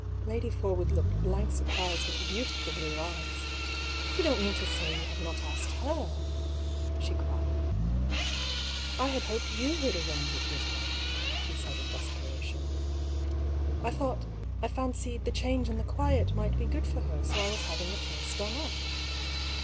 Lady Forwood looked blank surprise with her beautiful blue eyes. " You don't mean to say you have not asked her f " she cried. "I had hoped yot^ would arrange it with her," he said in desperation. " I thought — I fancied — the change and the quiet might be good for her, so I was having the place done up."